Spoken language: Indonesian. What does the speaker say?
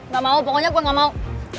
gak mau pokoknya gue gak mau